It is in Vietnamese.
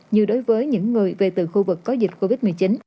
như đối với những người về từ khu vực có dịch covid một mươi chín